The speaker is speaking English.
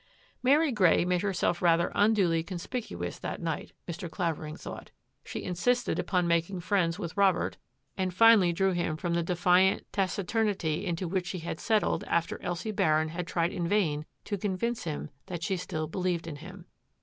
Mary Grey made herself rather unduly con spicuous that night, Mr. Clavering thought. She insisted upon making friends with Robert, and finally drew him from the defiant taciturnity into which he had settled after Elsie Baring had tried in vain to convince him that she still believed in him.